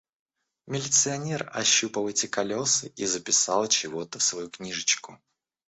Милиционер ощупал эти колёса и записал чего-то в свою книжечку.